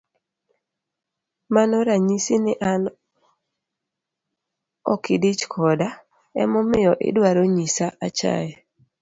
Mano ranyisi ni an okidich koda, ema omiyo idwaro nyisa achaye.